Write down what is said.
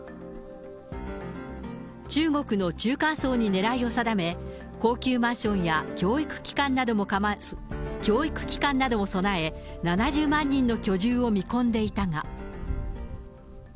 中国の中間層にねらいを定め、高級マンションや教育機関なども備え、７０万人の居住を見込んでいたが。